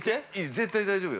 ◆絶対大丈夫。